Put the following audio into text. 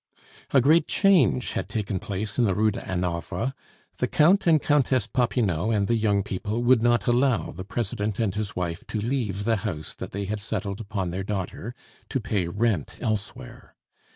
A great change had taken place in the Rue de Hanovre. The Count and Countess Popinot and the young people would not allow the President and his wife to leave the house that they had settled upon their daughter to pay rent elsewhere.